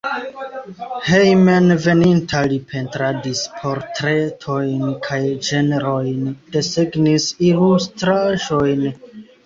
Hejmenveninta li pentradis portretojn kaj ĝenrojn, desegnis ilustraĵojn.